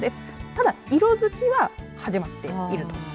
ただ、色づきは始まっている。